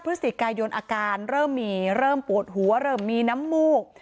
พฤศจิกายนอาการเริ่มมีเริ่มปวดหัวเริ่มมีน้ำมูก